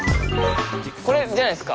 これじゃないですか？